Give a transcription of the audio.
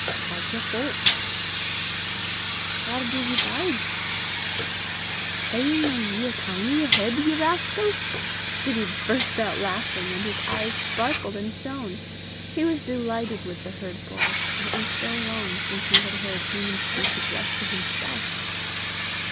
Wha's yer fowk? Whaur div ye bide? Haena ye a tongue i' yer heid, ye rascal?" Gibbie burst out laughing, and his eyes sparkled and shone: he was delighted with the herd boy, and it was so long since he had heard human speech addressed to himself!